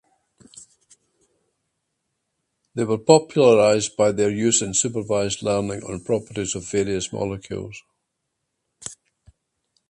They were popularized by their use in supervised learning on properties of various molecules.